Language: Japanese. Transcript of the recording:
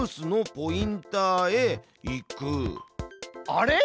あれ？